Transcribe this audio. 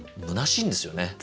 むなしいんですよね。